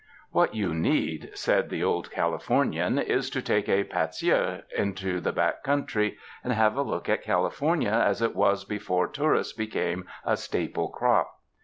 "What you need," said the Old Calif ornian, is to take a pas ear into the back country and have a look at California as it was before tourists became a staple crop.